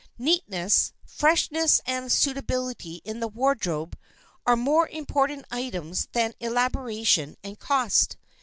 Neatness, freshness and suitability in the wardrobe are more important items than elaboration and cost.